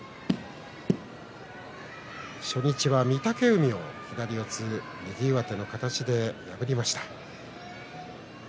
初日は御嶽海を左四つ右上手の形で破りました。